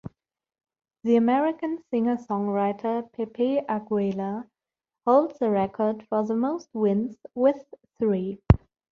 The American singer-songwriter Pepe Aguilar holds the record for the most wins, with three.